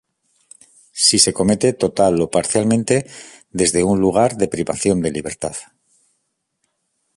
Si se comete total o parcialmente desde un lugar de privación de libertad.